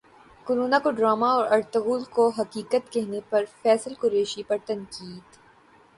corona کو drama اور Ertugrul کو حقیقت کہنے پر فیصل قریشی پر تنقید